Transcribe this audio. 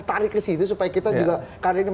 tarik ke situ supaya kita juga karena ini